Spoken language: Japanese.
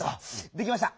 できました！